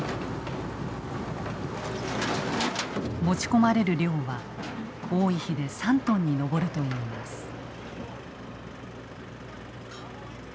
持ち込まれる量は多い日で３トンに上るといいます。